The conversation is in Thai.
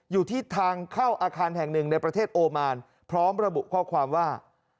อยู่ที่ทางเข้าอาคารแห่งหนึ่งในประเทศโอมานพร้อมระบุข้อความว่า